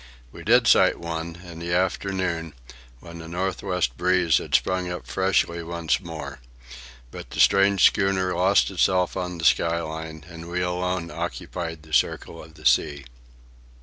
We did sight one, in the afternoon, when the north west breeze had sprung up freshly once more. But the strange schooner lost itself on the sky line and we alone occupied the circle of the sea.